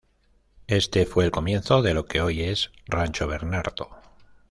Este fue el comienzo de lo que hoy es Rancho Bernardo.